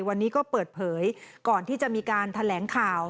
วันนี้ก็เปิดเผยก่อนที่จะมีการแถลงข่าว